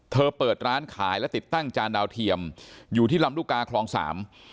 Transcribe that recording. เปิดร้านขายและติดตั้งจานดาวเทียมอยู่ที่ลำลูกกาคลองสาม